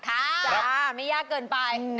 จ้าไม่ยากเกินไป